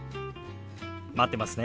待ってますね。